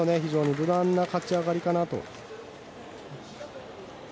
無難な勝ち上がりかなと。